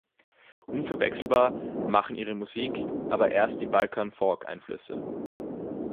Unverwechselbar machen ihre Musik aber erst die Balkan-Folk-Einflüsse.